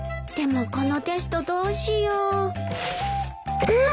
でもこのテストどうしよう。